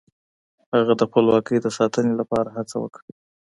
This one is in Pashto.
هغه د خپلواکۍ د ساتنې لپاره هڅه وکړه.